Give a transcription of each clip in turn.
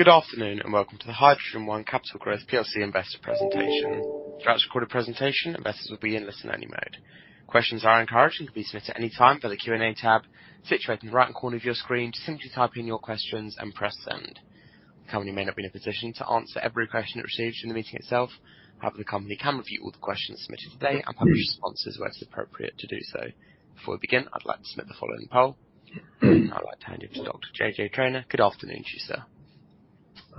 Good afternoon, and welcome to the HydrogenOne Capital Growth plc Investor Presentation. Throughout this recorded presentation, investors will be in listen-only mode. Questions are encouraged and can be submitted at any time via the Q&A tab situated in the right-hand corner of your screen. Just simply type in your questions and press Send. The company may not be in a position to answer every question it receives during the meeting itself. However, the company can review all the questions submitted today and publish responses where it's appropriate to do so. Before we begin, I'd like to submit the following poll. I'd like to hand you to Dr. JJ Traynor. Good afternoon to you, sir.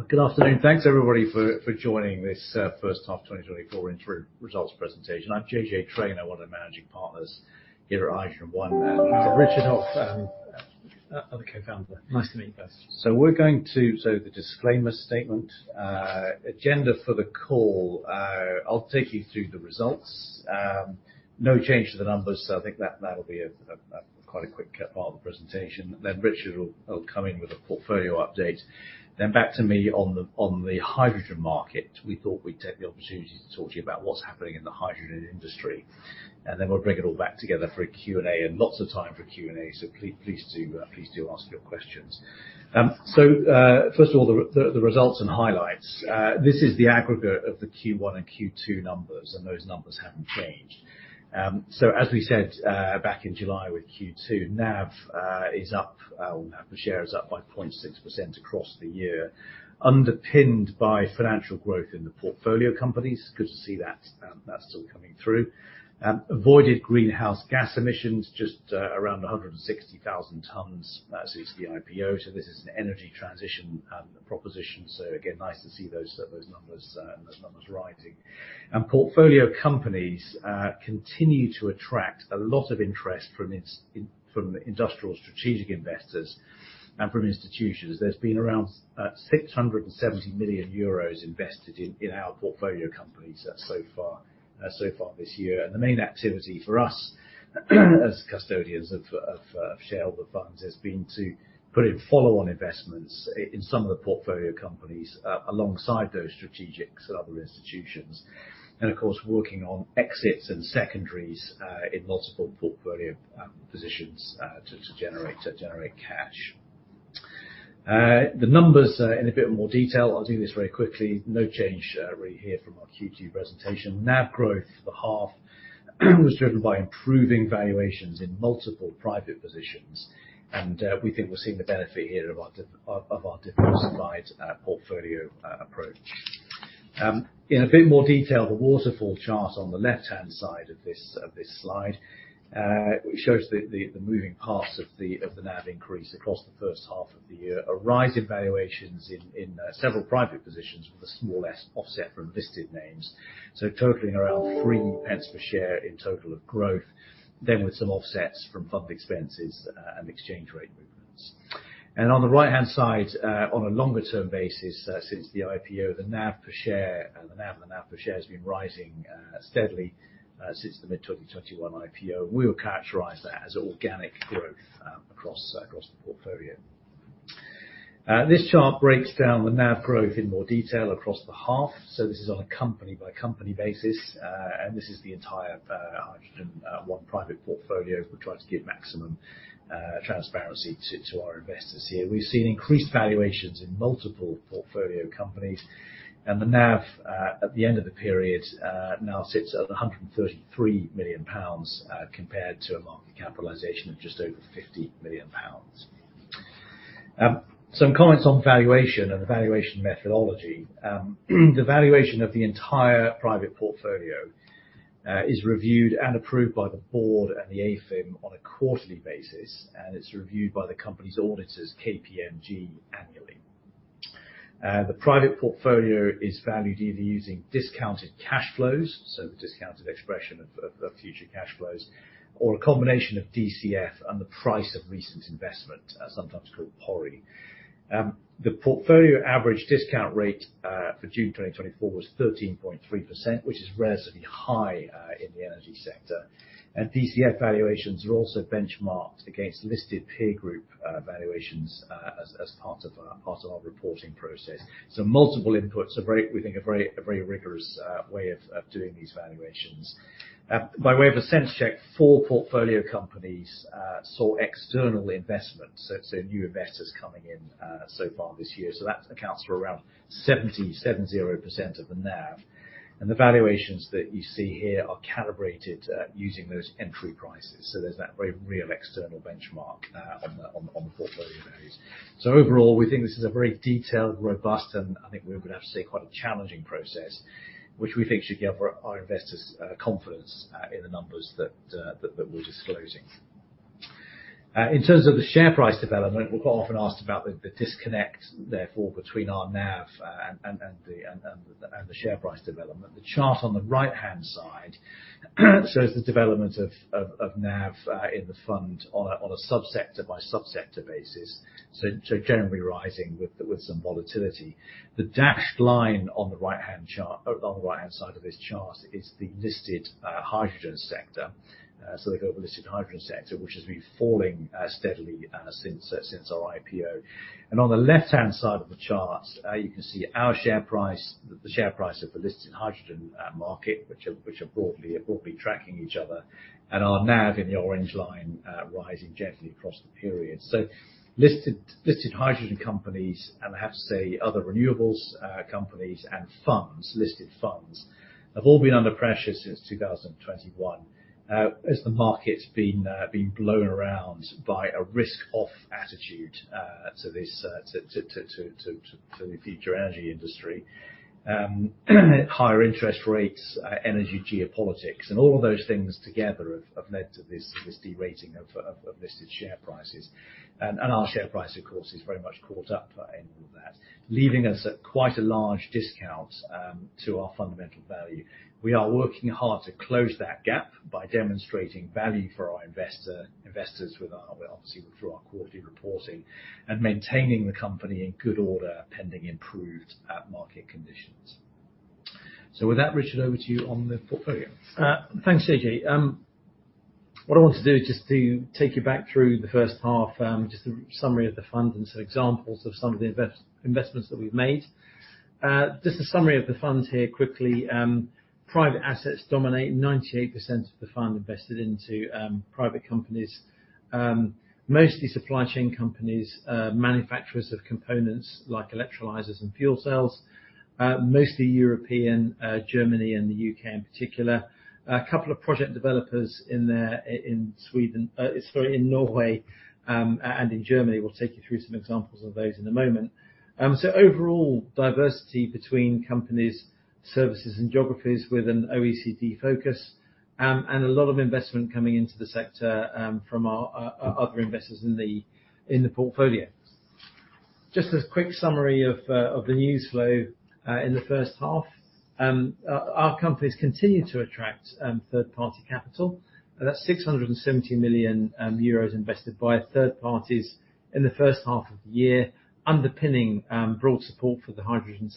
Good afternoon. Thanks, everybody, for joining this first half twenty twenty-four interim results presentation. I'm JJ Traynor, one of the managing partners here at HydrogenOne. I'm Richard Hulf, other co-founder. Nice to meet you guys. So the disclaimer statement, agenda for the call, I'll take you through the results. No change to the numbers, so I think that, that'll be quite a quick part of the presentation. Then Richard will come in with a portfolio update, then back to me on the hydrogen market. We thought we'd take the opportunity to talk to you about what's happening in the hydrogen industry, and then we'll bring it all back together for a Q&A, and lots of time for Q&A, so please do ask your questions. First of all, the results and highlights. This is the aggregate of the Q1 and Q2 numbers, and those numbers haven't changed. So as we said, back in July with Q2, NAV, is up, NAV per share is up by 0.6% across the year, underpinned by financial growth in the portfolio companies. Good to see that, that's still coming through. Avoided greenhouse gas emissions, just, around 160,000 tons since the IPO. So this is an energy transition, proposition, so again, nice to see those numbers rising, and portfolio companies continue to attract a lot of interest from industrial strategic investors and from institutions. There's been around 670 million euros invested in our portfolio companies, so far this year. The main activity for us, as custodians of shareholder funds, has been to put in follow-on investments in some of the portfolio companies, alongside those strategics and other institutions, and of course, working on exits and secondaries, in multiple portfolio positions, to generate cash. The numbers, in a bit more detail, I'll do this very quickly. No change, really here from our Q2 presentation. NAV growth for half was driven by improving valuations in multiple private positions, and we think we're seeing the benefit here of our diversified portfolio approach. In a bit more detail, the waterfall chart on the left-hand side of this slide shows the moving parts of the NAV increase across the first half of the year. A rise in valuations in several private positions, with a smaller offset from listed names, so totaling around three pence per share in total of growth, then with some offsets from fund expenses and exchange rate movements. On the right-hand side, on a longer term basis, since the IPO, the NAV per share has been rising steadily since the mid-2021 IPO. We would characterize that as organic growth across the portfolio. This chart breaks down the NAV growth in more detail across the half, so this is on a company-by-company basis, and this is the entire HydrogenOne private portfolio. We try to give maximum transparency to our investors here. We've seen increased valuations in multiple portfolio companies, and the NAV at the end of the period now sits at 133 million pounds compared to a market capitalization of just over 50 million pounds. Some comments on valuation and the valuation methodology. The valuation of the entire private portfolio is reviewed and approved by the board and the AIFM on a quarterly basis, and it's reviewed by the company's auditors, KPMG, annually. The private portfolio is valued either using discounted cash flows, so discounted expression of future cash flows, or a combination of DCF and the price of recent investment, sometimes called PORI. The portfolio average discount rate for June 2024 was 13.3%, which is relatively high in the energy sector. And DCF valuations are also benchmarked against listed peer group valuations as part of our reporting process. So multiple inputs, we think a very rigorous way of doing these valuations. By way of a sense check, four portfolio companies saw external investments, so new investors coming in so far this year. So that accounts for around 77.0% of the NAV. And the valuations that you see here are calibrated using those entry prices, so there's that very real external benchmark on the portfolio values. So overall, we think this is a very detailed, robust, and I think we're going to have to say, quite a challenging process, which we think should give our investors confidence in the numbers that we're disclosing. In terms of the share price development, we're quite often asked about the disconnect, therefore, between our NAV and the share price development. The chart on the right-hand side so is the development of NAV in the fund on a sub-sector by sub-sector basis. So generally rising with some volatility. The dashed line on the right-hand chart, or on the right-hand side of this chart, is the listed hydrogen sector. So we've got the listed hydrogen sector, which has been falling steadily since our IPO. On the left-hand side of the chart, you can see our share price, the share price of the listed hydrogen market, which are broadly tracking each other, and our NAV in the orange line, rising gently across the period. Listed hydrogen companies, and I have to say, other renewables companies and funds, listed funds, have all been under pressure since 2021, as the market's been blown around by a risk-off attitude to the future energy industry. Higher interest rates, energy geopolitics, and all of those things together have led to this de-rating of listed share prices. Our share price, of course, is very much caught up in all that, leaving us at quite a large discount to our fundamental value. We are working hard to close that gap by demonstrating value for our investors, with our, well, obviously through our quarterly reporting, and maintaining the company in good order, pending improved market conditions. With that, Richard, over to you on the portfolio. Thanks, JJ. What I want to do is just to take you back through the first half, just a summary of the fund and some examples of some of the investments that we've made. Just a summary of the funds here quickly. Private assets dominate 98% of the fund invested into private companies, mostly supply chain companies, manufacturers of components like electrolyzers and fuel cells. Mostly European, Germany and the UK in particular. A couple of project developers in there, in Sweden, sorry, in Norway, and in Germany. We'll take you through some examples of those in a moment. So overall, diversity between companies, services, and geographies with an OECD focus, and a lot of investment coming into the sector from our other investors in the portfolio. Just a quick summary of the news flow in the first half. Our companies continued to attract third-party capital. That's 670 million euros invested by third parties in the first half of the year, underpinning broad support for the hydrogen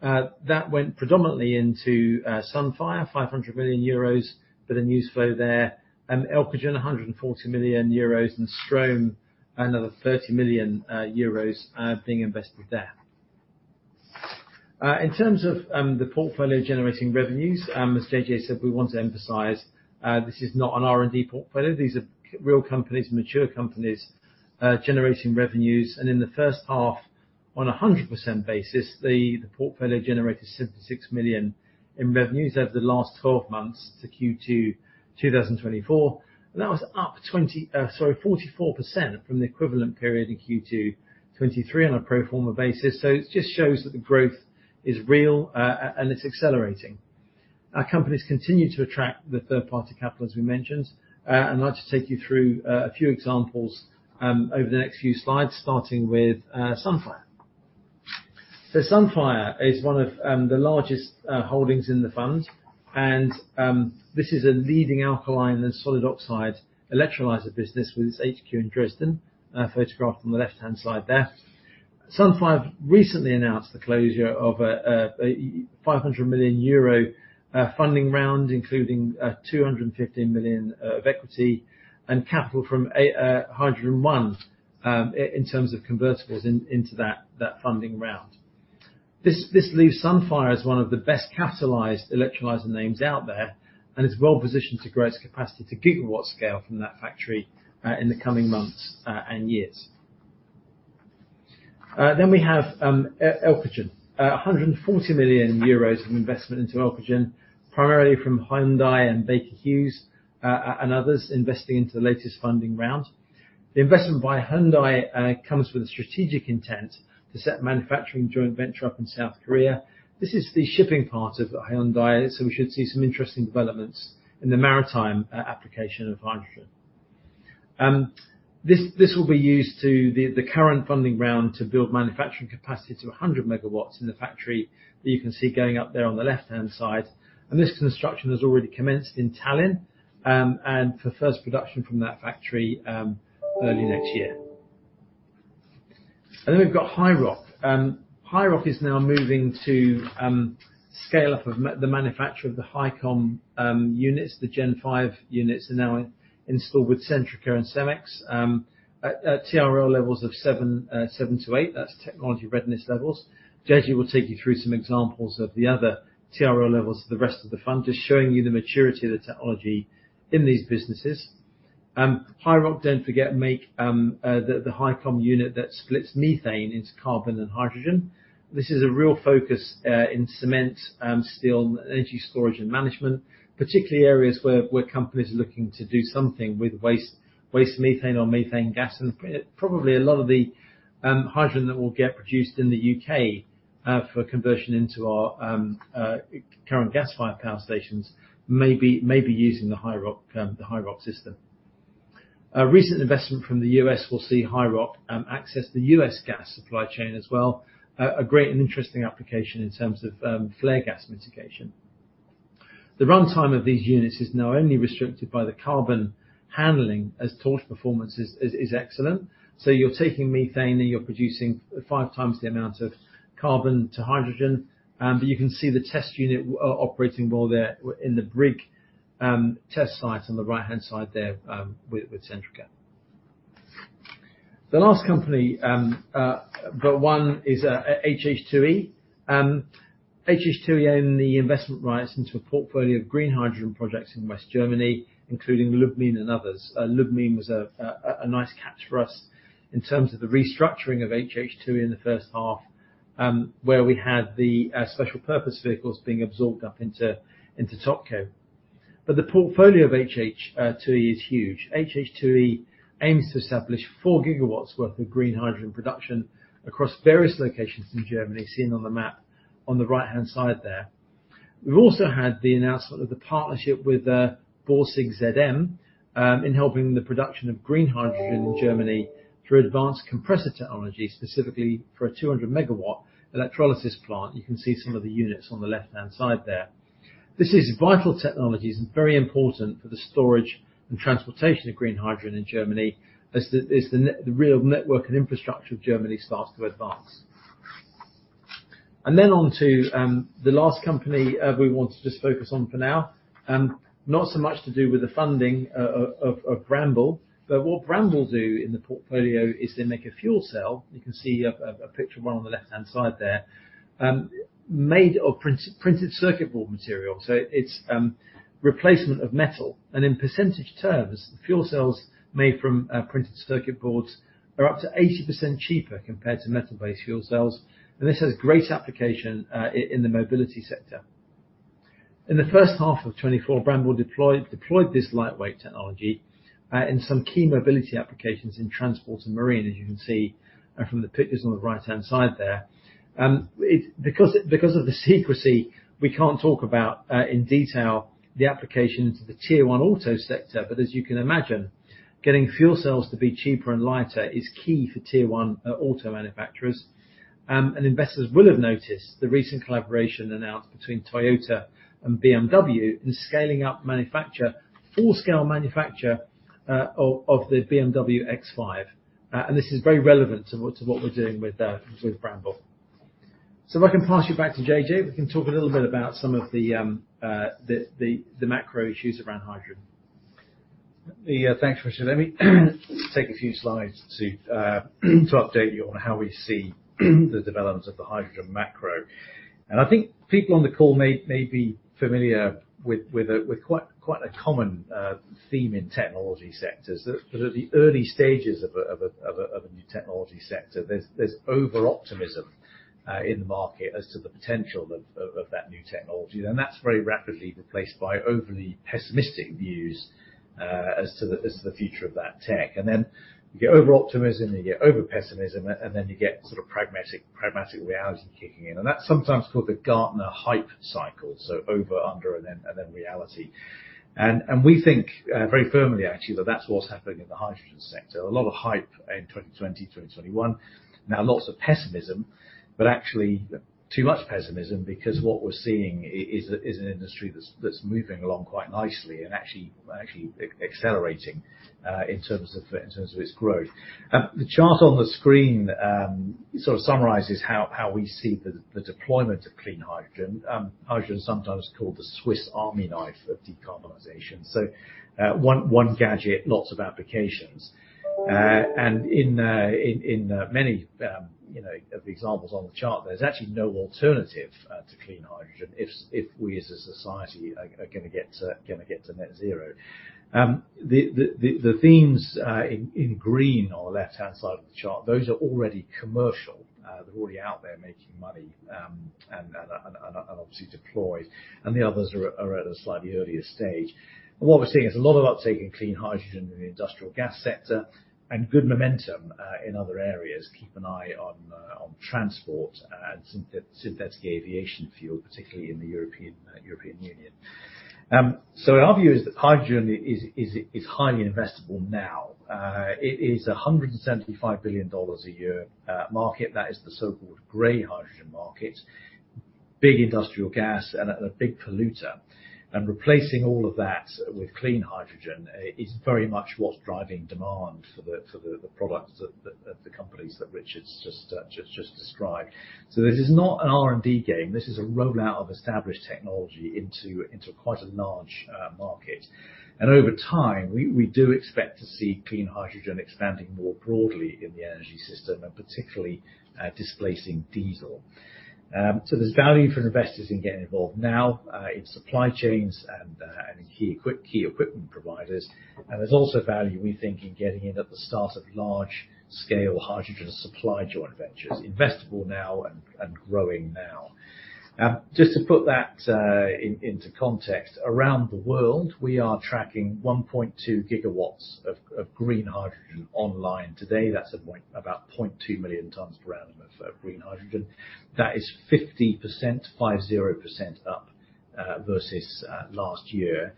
sector. That went predominantly into Sunfire, 500 million euros for the news flow there, Elcogen, 140 million euros, and Strohm, another 30 million euros being invested there. In terms of the portfolio-generating revenues, as JJ said, we want to emphasize this is not an R&D portfolio. These are real companies, mature companies generating revenues, and in the first half, on a 100% basis, the portfolio generated 66 million in revenues over the last 12 months to Q2 2024. That was up 20, sorry, 44% from the equivalent period in Q2 2023 on a pro forma basis. So it just shows that the growth is real, and it's accelerating. Our companies continue to attract the third-party capital, as we mentioned. I'd like to take you through a few examples over the next few slides, starting with Sunfire. So Sunfire is one of the largest holdings in the fund, and this is a leading alkaline and solid oxide electrolyzer business with its HQ in Dresden. Photographed on the left-hand side there. Sunfire recently announced the closure of a 500 million euro funding round, including 250 million of equity and capital from HydrogenOne in terms of convertibles into that funding round. This leaves Sunfire as one of the best-capitalized electrolyzer names out there, and it's well positioned to grow its capacity to gigawatt scale from that factory in the coming months and years. Then we have Elcogen. 140 million euros of investment into Elcogen, primarily from Hyundai and Baker Hughes and others, investing into the latest funding round. The investment by Hyundai comes with a strategic intent to set a manufacturing joint venture up in South Korea. This is the shipping part of Hyundai, so we should see some interesting developments in the maritime application of hydrogen. This will be used to... the current funding round to build manufacturing capacity to 100 megawatts in the factory that you can see going up there on the left-hand side, and this construction has already commenced in Tallinn, and for first production from that factory, early next year. Then we've got HiiROC. HiiROC is now moving to scale up of the manufacture of the HiiROC units. The Gen 5 units are now installed with Centrica and CEMEX at TRL levels of seven to eight. That's technology readiness levels. JJ will take you through some examples of the other TRL levels of the rest of the fund, just showing you the maturity of the technology in these businesses. HiiROC, don't forget, makes the HiiROC unit that splits methane into carbon and hydrogen. This is a real focus in cement, steel, energy storage and management, particularly areas where companies are looking to do something with waste methane or methane gas. And probably a lot of the hydrogen that we'll get produced in the U.K. for conversion into our current gas-fired power stations, may be using the HiiROC, the HiiROC system. A recent investment from the U.S. will see HiiROC access the U.S. gas supply chain as well. A great and interesting application in terms of flare gas mitigation. The runtime of these units is now only restricted by the carbon handling, as torch performance is excellent. You're taking methane, and you're producing five times the amount of carbon to hydrogen, but you can see the test unit operating well there in the Brigg test site on the right-hand side there, with Centrica. The last company, but one, is HH2E. HH2E own the investment rights into a portfolio of green hydrogen projects in West Germany, including Lubmin and others. Lubmin was a nice catch for us in terms of the restructuring of HH2E in the first half, where we had the special purpose vehicles being absorbed up into Topco. But the portfolio of HH2E is huge. HH2E aims to establish four gigawatts worth of green hydrogen production across various locations in Germany, seen on the map on the right-hand side there. We've also had the announcement of the partnership with Borsig ZM in helping the production of green hydrogen in Germany through advanced compressor technology, specifically for a 200-megawatt electrolysis plant. You can see some of the units on the left-hand side there. This is vital technology. It's very important for the storage and transportation of green hydrogen in Germany, as the real network and infrastructure of Germany starts to advance. And then on to the last company we want to just focus on for now. Not so much to do with the funding of Bramble, but what Bramble do in the portfolio is they make a fuel cell. You can see a picture of one on the left-hand side there, made of printed circuit board material, so it's replacement of metal. And in percentage terms, fuel cells made from printed circuit boards are up to 80% cheaper compared to metal-based fuel cells, and this has great application in the mobility sector. In the first half of 2024, Bramble deployed this lightweight technology in some key mobility applications in transport and marine, as you can see from the pictures on the right-hand side there. Because of the secrecy, we can't talk about in detail the application into the tier one auto sector, but as you can imagine, getting fuel cells to be cheaper and lighter is key for tier one auto manufacturers. And investors will have noticed the recent collaboration announced between Toyota and BMW in scaling up full-scale manufacture of the BMW iX5. And this is very relevant to what we're doing with Bramble. So if I can pass you back to JJ, we can talk a little bit about some of the macro issues around hydrogen. Thanks, Richard. Let me take a few slides to update you on how we see the development of the hydrogen macro. And I think people on the call may be familiar with quite a common theme in technology sectors. That at the early stages of a new technology sector, there's overoptimism in the market as to the potential of that new technology. And that's very rapidly replaced by overly pessimistic views as to the future of that tech. And then you get overoptimism, you get overpessimism, and then you get sort of pragmatic reality kicking in. And that's sometimes called the Gartner Hype Cycle, so over, under, and then reality. We think very firmly, actually, that that's what's happening in the hydrogen sector. A lot of hype in twenty twenty, twenty twenty-one. Now, lots of pessimism, but actually, too much pessimism, because what we're seeing is an industry that's moving along quite nicely and actually accelerating in terms of its growth. The chart on the screen sort of summarizes how we see the deployment of clean hydrogen. Hydrogen is sometimes called the Swiss Army knife of decarbonization. So, one gadget, lots of applications. And in many, you know, of the examples on the chart, there's actually no alternative to clean hydrogen if we as a society are gonna get to net zero. The themes in green on the left-hand side of the chart, those are already commercial. They're already out there making money, and obviously deployed, and the others are at a slightly earlier stage. What we're seeing is a lot of uptake in clean hydrogen in the industrial gas sector, and good momentum in other areas. Keep an eye on transport and synthetic aviation fuel, particularly in the European Union. Our view is that hydrogen is highly investable now. It is a $175 billion a year market. That is the so-called gray hydrogen market. Big industrial gas and a big polluter. Replacing all of that with clean hydrogen is very much what's driving demand for the products that the companies that Richard's just described. This is not an R&D game. This is a rollout of established technology into quite a large market. Over time, we do expect to see clean hydrogen expanding more broadly in the energy system, and particularly, displacing diesel. There's value for investors in getting involved now in supply chains and key equipment providers. There's also value, we think, in getting in at the start of large-scale hydrogen supply joint ventures. Investable now and growing now.... Now, just to put that in context, around the world, we are tracking 1.2 gigawatts of green hydrogen online today. That's about 0.2 million tons per annum of green hydrogen. That is 50%, 50% up versus last year.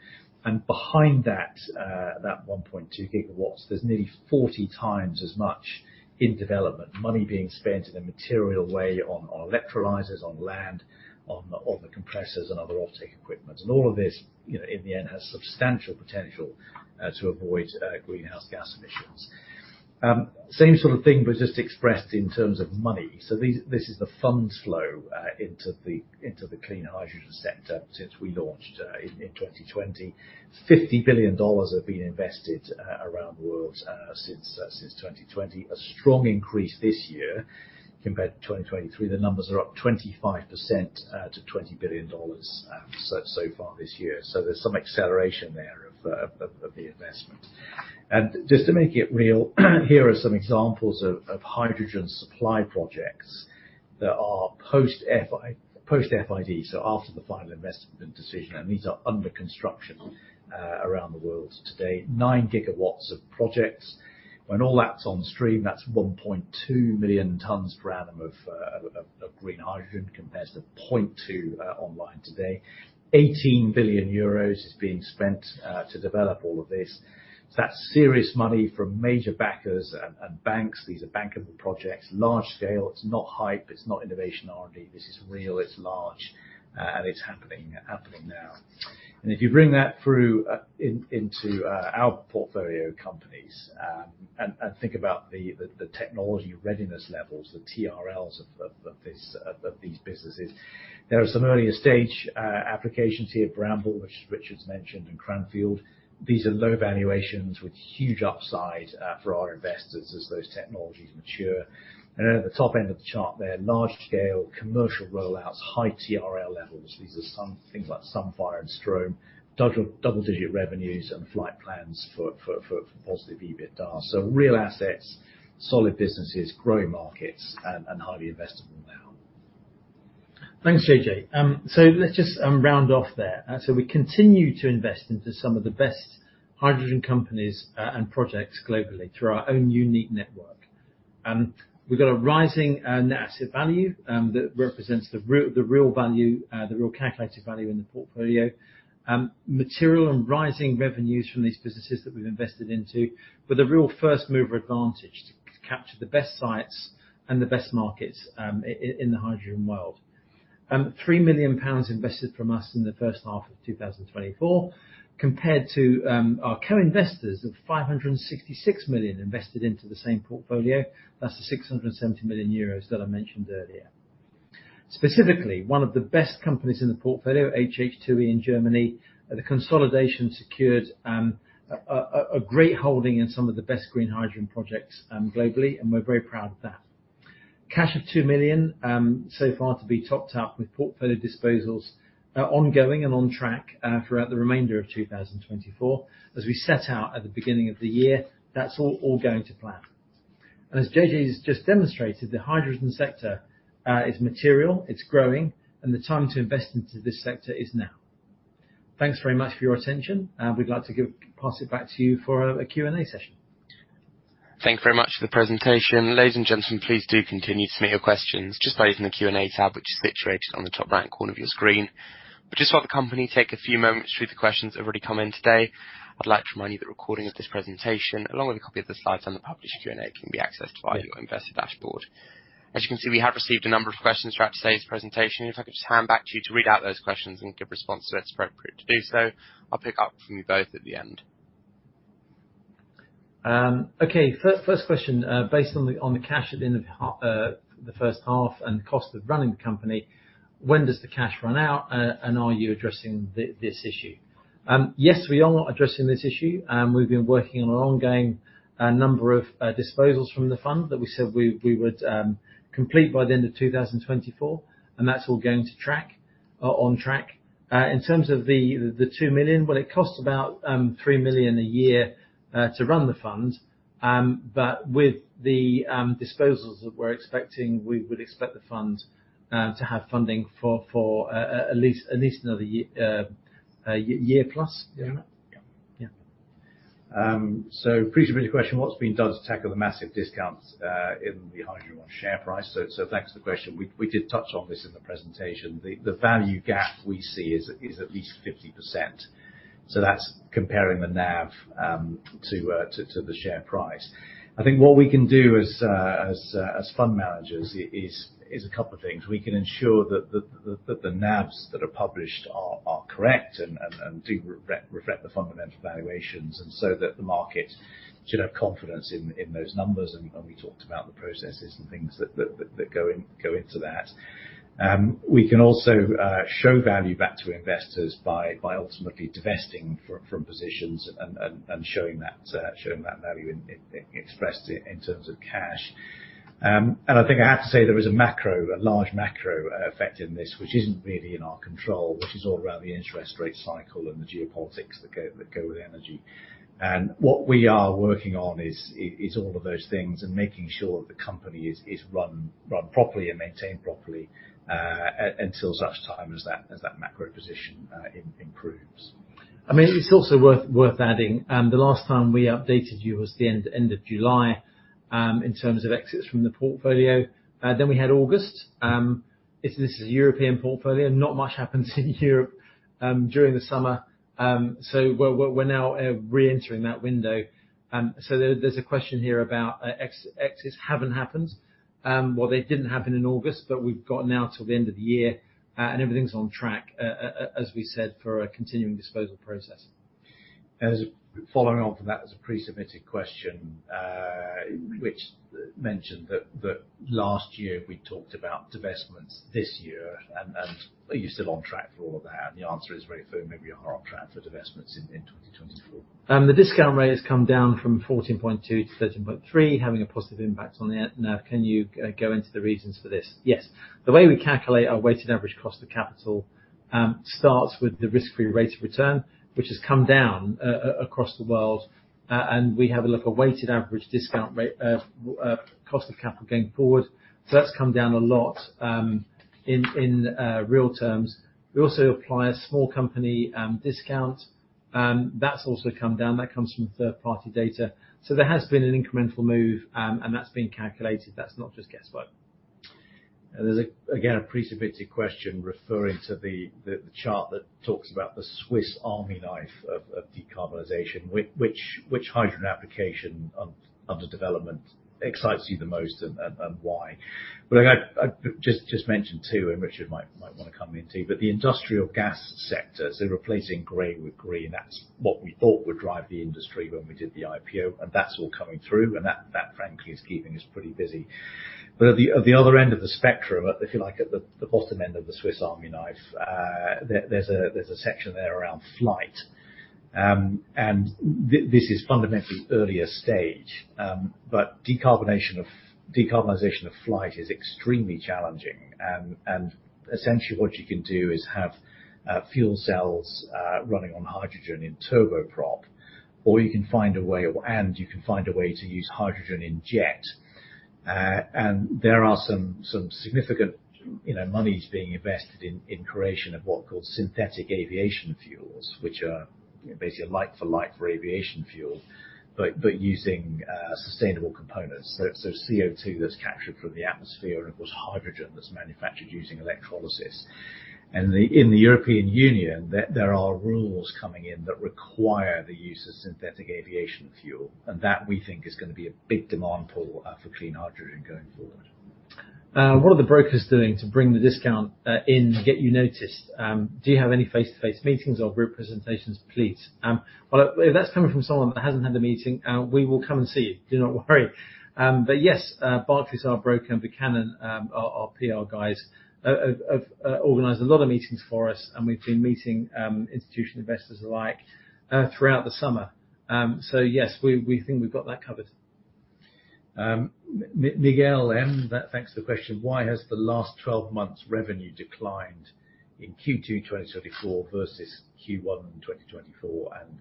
And behind that, that 1.2 gigawatts, there's nearly 40 times as much in development. Money being spent in a material way on electrolyzers, on land, on the compressors, and other off-take equipment. And all of this, you know, in the end, has substantial potential to avoid greenhouse gas emissions. Same sort of thing, but just expressed in terms of money. This is the funds flow into the clean hydrogen sector since we launched in 2020. $50 billion have been invested around the world since 2020. A strong increase this year compared to 2023. The numbers are up 25% to $20 billion so far this year, so there's some acceleration there of the investment, and just to make it real, here are some examples of hydrogen supply projects that are post-FID, so after the final investment decision, and these are under construction around the world today. Nine gigawatts of projects. When all that's on stream, that's 1.2 million tons per annum of green hydrogen, compares to 0.2 online today. 18 billion euros is being spent to develop all of this. That's serious money from major backers and banks. These are bankable projects, large scale. It's not hype, it's not innovation R&D. This is real, it's large, and it's happening now. And if you bring that through, in, into our portfolio companies, and think about the technology readiness levels, the TRLs of these businesses, there are some earlier stage applications here, Bramble, which Richard's mentioned, and Cranfield. These are low valuations with huge upside for our investors as those technologies mature. At the top end of the chart, there large-scale commercial rollouts, high TRL levels. These are some things like Sunfire and Strohm. Double-digit revenues and flight plans for positive EBITDA. So real assets, solid businesses, growing markets, and highly investable now. Thanks, JJ. Let's just round off there. We continue to invest into some of the best hydrogen companies and projects globally through our own unique network. We've got a rising net asset value that represents the real value, the real calculated value in the portfolio. Material and rising revenues from these businesses that we've invested into, with a real first mover advantage to capture the best sites and the best markets in the hydrogen world. 3 million pounds invested from us in the first half of two thousand and twenty-four, compared to our co-investors of 566 million invested into the same portfolio. That's the 670 million euros that I mentioned earlier. Specifically, one of the best companies in the portfolio, HH2E in Germany, the consolidation secured a great holding in some of the best green hydrogen projects globally, and we're very proud of that. Cash of £2 million so far to be topped up with portfolio disposals ongoing and on track throughout the remainder of two thousand and twenty-four. As we set out at the beginning of the year, that's all going to plan. And as JJ has just demonstrated, the hydrogen sector is material, it's growing, and the time to invest into this sector is now. Thanks very much for your attention, and we'd like to pass it back to you for a Q&A session. Thank you very much for the presentation. Ladies and gentlemen, please do continue to submit your questions just by using the Q&A tab, which is situated on the top right corner of your screen. But just while the company take a few moments to read the questions that have already come in today, I'd like to remind you that a recording of this presentation, along with a copy of the slides and the published Q&A, can be accessed via your investor dashboard. As you can see, we have received a number of questions throughout today's presentation. If I could just hand back to you to read out those questions and give response to it. It's appropriate to do so. I'll pick up from you both at the end. Okay, first question, based on the cash at the end of the first half and cost of running the company, when does the cash run out, and are you addressing this issue? Yes, we are addressing this issue, and we've been working on an ongoing number of disposals from the fund that we said we would complete by the end of 2024, and that's all on track. In terms of the £2 million, well, it costs about £3 million a year to run the fund, but with the disposals that we're expecting, we would expect the fund to have funding for at least another year plus. Yeah? Yeah. Yeah.... so pre-submitted question, what's been done to tackle the massive discounts in the hydrogen share price? So thanks for the question. We did touch on this in the presentation. The value gap we see is at least 50%, so that's comparing the NAV to the share price. I think what we can do as fund managers is a couple of things. We can ensure that the NAVs that are published are correct and do reflect the fundamental valuations, and so that the market should have confidence in those numbers, and we talked about the processes and things that go into that. We can also show value back to investors by ultimately divesting from positions and showing that value in expressed in terms of cash. And I think I have to say there is a large macro effect in this, which isn't really in our control, which is all around the interest rate cycle and the geopolitics that go with energy. And what we are working on is all of those things, and making sure the company is run properly and maintained properly until such time as that macro position improves. I mean, it's also worth adding, the last time we updated you was the end of July, in terms of exits from the portfolio. Then we had August. This is a European portfolio, not much happens in Europe, during the summer. So we're now reentering that window. So there's a question here about, exits haven't happened. Well, they didn't happen in August, but we've got now till the end of the year, and everything's on track, as we said, for a continuing disposal process. Following on from that, there was a pre-submitted question, which mentioned that last year we talked about divestments this year. And are you still on track for all of that? The answer is very firmly, we are on track for divestments in 2024. The discount rate has come down from 14.2 to 13.3, having a positive impact on the NAV. Can you go into the reasons for this? Yes. The way we calculate our weighted average cost of capital starts with the risk-free rate of return, which has come down across the world, and we have a look, a weighted average discount rate of cost of capital going forward. So that's come down a lot in real terms. We also apply a small company discount. That's also come down, that comes from third-party data. So there has been an incremental move, and that's been calculated. That's not just guesswork. There's again a pre-submitted question referring to the chart that talks about the Swiss Army knife of decarbonization. Which hydrogen application under development excites you the most, and why? Well, I just mentioned two, and Richard might want to come in too, but the industrial gas sector, so replacing gray with green, that's what we thought would drive the industry when we did the IPO, and that's all coming through, and that frankly is keeping us pretty busy. But at the other end of the spectrum, if you like, at the bottom end of the Swiss Army knife, there's a section there around flight, and this is fundamentally earlier stage, but decarbonization of flight is extremely challenging. Essentially, what you can do is have fuel cells running on hydrogen in turboprop, or you can find a way to use hydrogen in jet. There are some significant, you know, monies being invested in creation of what are called synthetic aviation fuels, which are basically a like for like aviation fuel, but using sustainable components, CO2 that's captured from the atmosphere, and of course, hydrogen that's manufactured using electrolysis. In the European Union, there are rules coming in that require the use of synthetic aviation fuel, and that, we think, is gonna be a big demand pull for clean hydrogen going forward. What are the brokers doing to bring the discount in to get you noticed? Do you have any face-to-face meetings or group presentations, please? Well, if that's coming from someone that hasn't had a meeting, we will come and see you. Do not worry. But yes, Barclays, our broker, and Buchanan, our PR guys, have organized a lot of meetings for us, and we've been meeting institutional investors alike throughout the summer. So yes, we think we've got that covered. Miguel M, thanks for the question: Why has the last twelve months revenue declined in Q2 twenty twenty-four versus Q1 twenty twenty-four and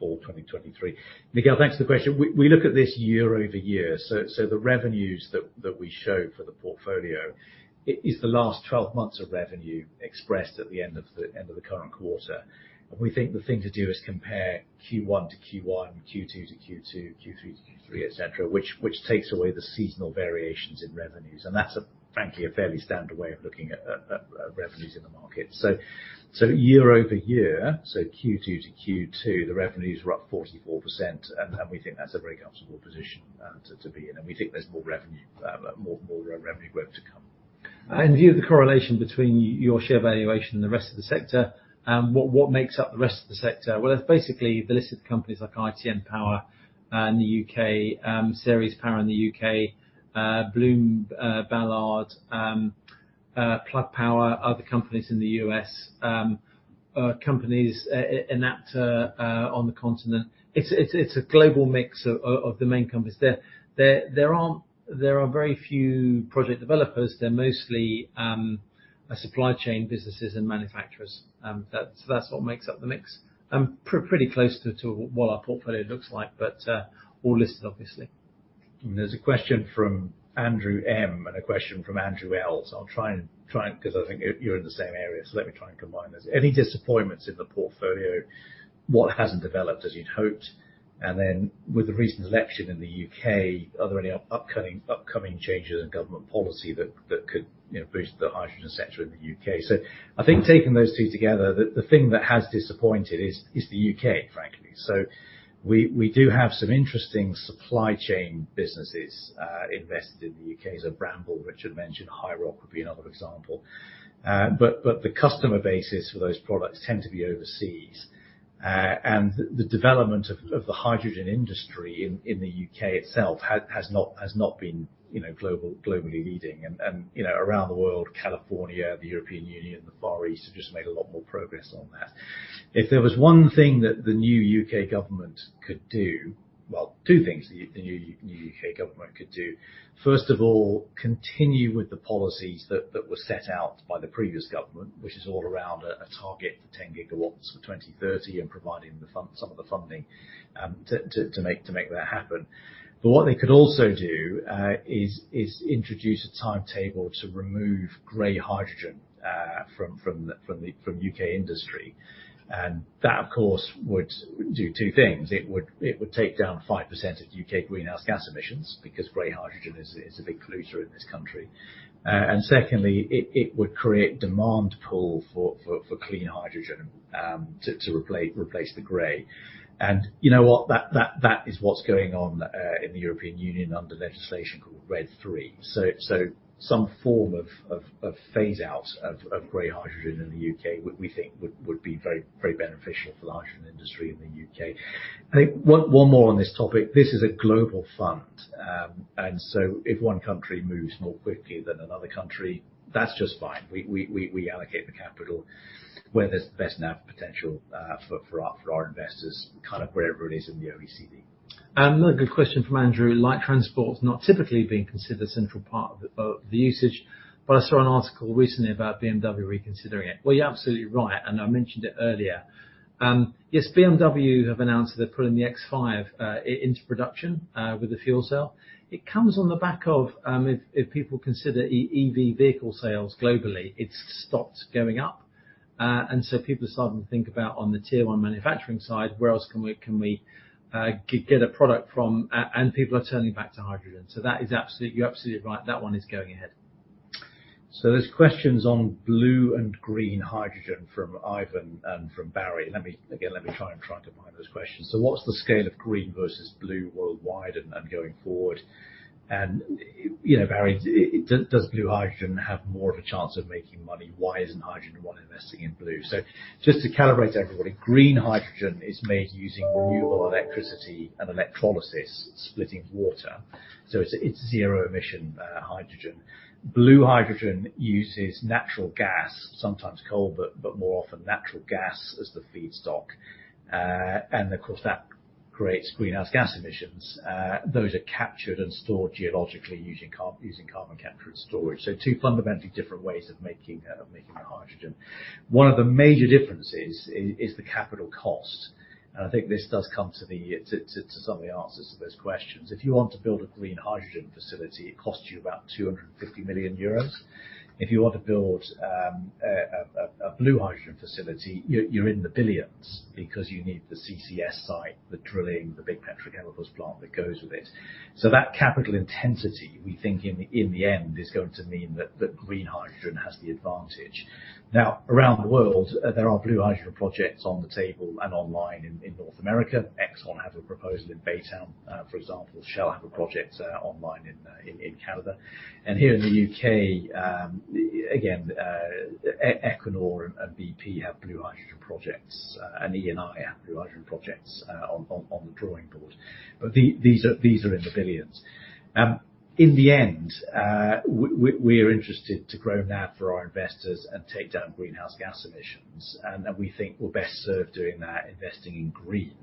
Q4 twenty twenty-three? Miguel, thanks for the question. We look at this year over year, so the revenues that we show for the portfolio, it is the last twelve months of revenue expressed at the end of the current quarter. And we think the thing to do is compare Q1 to Q1, Q2 to Q2, Q3 to Q3, et cetera, which takes away the seasonal variations in revenues, and that's frankly a fairly standard way of looking at revenues in the market. So year over year, so Q2 to Q2, the revenues were up 44%, and we think that's a very comfortable position to be in. We think there's more revenue growth to come. And view the correlation between your share valuation and the rest of the sector. What makes up the rest of the sector? Well, it's basically the list of companies like ITM Power in the U.K., Ceres Power in the U.K., Bloom, Ballard, Plug Power, other companies in the U.S., companies, Enapter on the continent. It's a global mix of the main companies. There are very few project developers. They're mostly a supply chain businesses and manufacturers. That's what makes up the mix. Pretty close to what our portfolio looks like, but all listed, obviously.... There's a question from Andrew M. And a question from Andrew L. So I'll try and 'cause I think you're in the same area, so let me try and combine those. Any disappointments in the portfolio? What hasn't developed as you'd hoped? And then, with the recent election in the UK, are there any upcoming changes in government policy that could, you know, boost the hydrogen sector in the UK? So, I think taking those two together, the thing that has disappointed is the UK, frankly. So we do have some interesting supply chain businesses invested in the UK. So Bramble, which you mentioned, HiiROC would be another example. But the customer basis for those products tend to be overseas. And the development of the hydrogen industry in the U.K. itself has not been, you know, globally leading. And you know, around the world, California, the European Union, the Far East have just made a lot more progress on that. If there was one thing that the new U.K. government could do, well, two things the new U.K. government could do, first of all, continue with the policies that were set out by the previous government, which is all around a target for 10 gigawatts for 2030, and providing some of the funding to make that happen. But what they could also do is introduce a timetable to remove gray hydrogen from U.K. industry. That, of course, would do two things. It would take down 5% of U.K. greenhouse gas emissions, because gray hydrogen is a big polluter in this country. And secondly, it would create demand pull for clean hydrogen to replace the gray. And you know what? That is what's going on in the European Union under legislation called RED III. So some form of phase out of gray hydrogen in the U.K. would, we think, be very beneficial for the hydrogen industry in the U.K. I think one more on this topic. This is a global fund, and so if one country moves more quickly than another country, that's just fine. We allocate the capital where there's the best NAV potential, for our investors, kind of wherever it is in the OECD. Another good question from Andrew. Light transport not typically being considered a central part of the usage, but I saw an article recently about BMW reconsidering it. Well, you're absolutely right, and I mentioned it earlier. Yes, BMW have announced they're putting the iX5 into production with a fuel cell. It comes on the back of if people consider EV vehicle sales globally, it's stopped going up. And so people are starting to think about on the tier one manufacturing side, where else can we get a product from? And people are turning back to hydrogen. So that is absolutely. You're absolutely right. That one is going ahead. So there's questions on blue and green hydrogen from Ivan and from Barry. Let me try and combine those questions. So what's the scale of green versus blue worldwide and going forward? And, you know, Barry, does blue hydrogen have more of a chance of making money? Why isn't HydrogenOne investing in blue? So just to calibrate everybody, green hydrogen is made using renewable electricity and electrolysis, splitting water, so it's zero emission hydrogen. Blue hydrogen uses natural gas, sometimes coal, but more often natural gas as the feedstock. And of course, that creates greenhouse gas emissions. Those are captured and stored geologically using carbon capture and storage. So two fundamentally different ways of making hydrogen. One of the major differences is the capital cost, and I think this does come to some of the answers to those questions. If you want to build a green hydrogen facility, it costs you about 250 million euros. If you want to build a blue hydrogen facility, you're in the billions because you need the CCS site, the drilling, the big petrochemicals plant that goes with it. So that capital intensity, we think, in the end, is going to mean that green hydrogen has the advantage. Now, around the world, there are blue hydrogen projects on the table and online in North America. Exxon has a proposal in Baytown. For example, Shell have a project online in Canada. Here in the UK, again, Equinor and BP have blue hydrogen projects, and ENI have blue hydrogen projects on the drawing board. These are in the billions. In the end, we are interested to grow NAV for our investors and take down greenhouse gas emissions, and we think we're best served doing that, investing in green.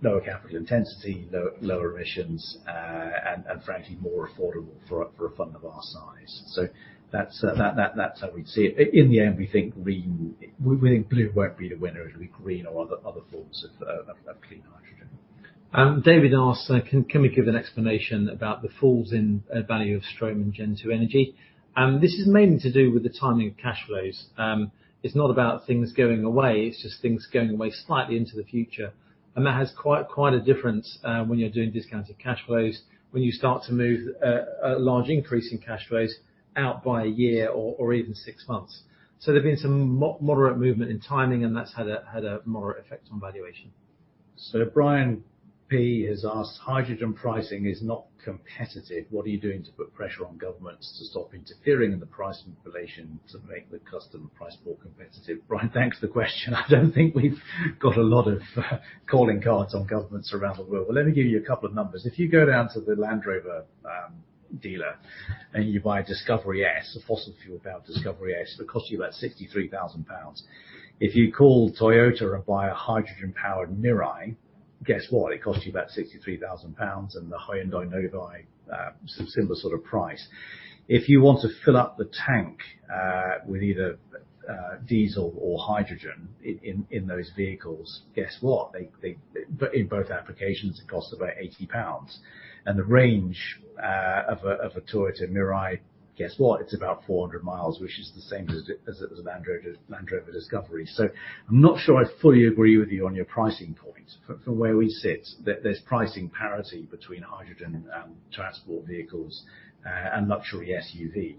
Lower capital intensity, lower emissions, and frankly, more affordable for a fund of our size, so that's how we see it. In the end, we think green. We think blue won't be the winner, it'll be green or other forms of clean hydrogen. David asks, "Can we give an explanation about the falls in value of Strohm and Gen2 Energy?" This is mainly to do with the timing of cash flows. It's not about things going away, it's just things going away slightly into the future. And that has quite a difference when you're doing discounted cash flows, when you start to move a large increase in cash flows out by a year or even six months. So there have been some moderate movement in timing, and that's had a moderate effect on valuation. Brian P has asked: Hydrogen pricing is not competitive. What are you doing to put pressure on governments to stop interfering in the price manipulation, to make the hydrogen price more competitive? Brian, thanks for the question. I don't think we've got a lot of calling cards on governments around the world. Let me give you a couple of numbers. If you go down to the Land Rover dealer and you buy a Discovery S, a fossil fuel-powered Discovery S, it'll cost you about 63,000 pounds. If you call Toyota and buy a hydrogen-powered Mirai, guess what? It costs you about 63,000 pounds, and the Hyundai Nexo, some similar sort of price. If you want to fill up the tank with either diesel or hydrogen in those vehicles, guess what? But in both applications, it costs about 80 pounds. And the range of a Toyota Mirai, guess what? It's about 400 miles, which is the same as a Land Rover Discovery. So I'm not sure I fully agree with you on your pricing point. From where we sit, there's pricing parity between hydrogen transport vehicles and luxury SUV.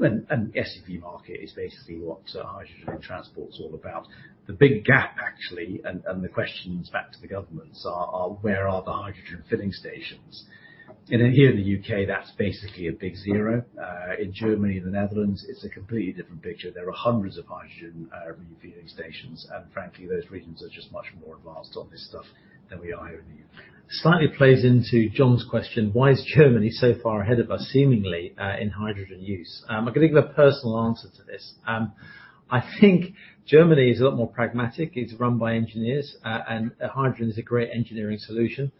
And SUV market is basically what hydrogen transport is all about. The big gap, actually, and the questions back to the governments are where are the hydrogen filling stations? And then here in the U.K., that's basically a big zero. In Germany, the Netherlands, it's a completely different picture. There are hundreds of hydrogen refueling stations, and frankly, those regions are just much more advanced on this stuff than we are here in the U.K. Slightly plays into John's question, why is Germany so far ahead of us, seemingly, in hydrogen use? I'm going to give a personal answer to this. I think Germany is a lot more pragmatic. It's run by engineers, and hydrogen is a great engineering solution.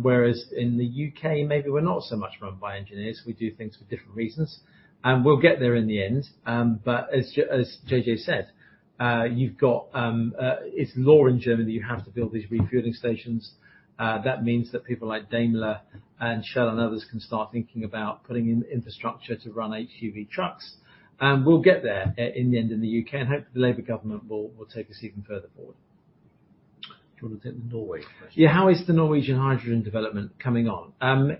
Whereas in the UK, maybe we're not so much run by engineers. We do things for different reasons, and we'll get there in the end. But as JJ said, it's law in Germany. You have to build these refueling stations. That means that people like Daimler and Shell and others can start thinking about putting in infrastructure to run HGV trucks. We'll get there in the end in the UK, and hopefully the labor government will take us even further forward. Do you want to take the Norway question? Yeah. How is the Norwegian hydrogen development coming on?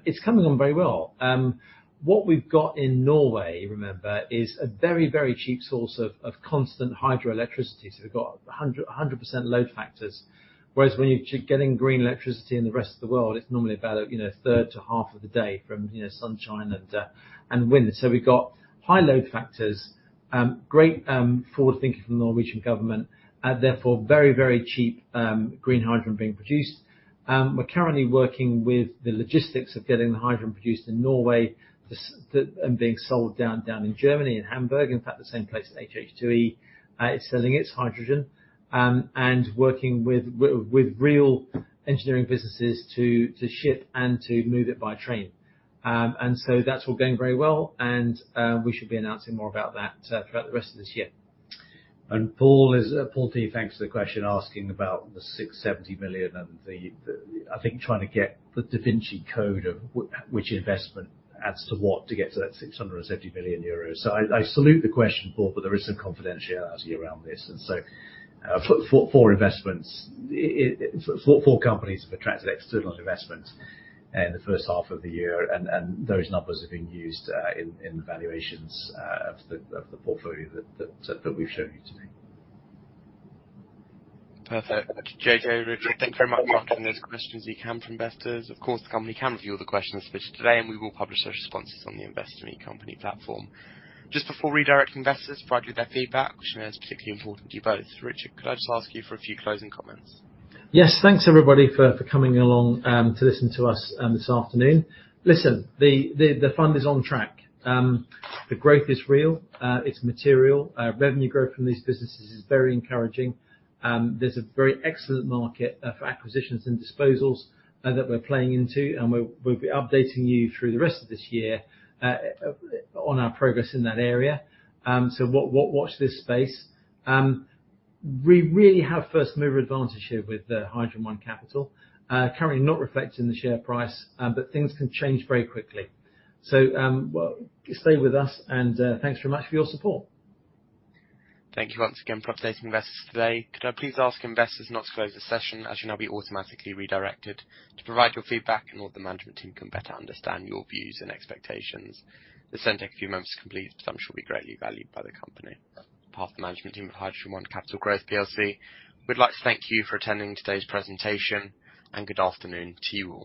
It's coming on very well. What we've got in Norway, remember, is a very, very cheap source of constant hydroelectricity. So we've got 100% load factors, whereas when you're getting green electricity in the rest of the world, it's normally about, you know, a third to half of the day from, you know, sunshine and wind. So we've got high load factors, great forward thinking from the Norwegian government, and therefore, very, very cheap green hydrogen being produced. We're currently working with the logistics of getting the hydrogen produced in Norway and being sold down in Germany, in Hamburg, in fact, the same place as HH2E is selling its hydrogen, and working with real engineering businesses to ship and move it by train, and so that's all going very well, and we should be announcing more about that throughout the rest of this year. And Paul, Paul T, thanks for the question asking about the 670 million and the, I think trying to get the Da Vinci Code of which investment adds to what to get to that 670 billion euros. So I salute the question, Paul, but there is some confidentiality around this, and so, four investments, four companies for external investment in the first half of the year, and those numbers are being used in valuations of the portfolio that we've shown you today. Perfect. JJ, Richard, thank you very much for taking those questions we have from investors. Of course, the company can review all the questions for today, and we will publish those responses on the Investor Meet Company platform. Just before redirecting investors to provide you their feedback, which I know is particularly important to you both, Richard, could I just ask you for a few closing comments? Yes. Thanks, everybody, for coming along to listen to us this afternoon. Listen, the fund is on track. The growth is real, it's material. Revenue growth from these businesses is very encouraging. There's a very excellent market for acquisitions and disposals that we're playing into, and we'll be updating you through the rest of this year on our progress in that area. So watch this space. We really have first mover advantage here with the HydrogenOne Capital currently not reflected in the share price, but things can change very quickly. So, well, stay with us, and thanks very much for your support. Thank you once again for updating investors today. Could I please ask investors not to close the session, as you'll now be automatically redirected to provide your feedback and all the management team can better understand your views and expectations. It should take a few moments to complete. It should be greatly valued by the company. On behalf of the management team of HydrogenOne Capital Growth PLC, we'd like to thank you for attending today's presentation, and good afternoon to you all.